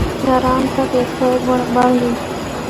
ناران تک ہک سڑک بنڑ گئی۔